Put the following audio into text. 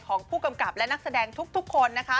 ของผู้กำกับและนักแสดงทุกคนนะคะ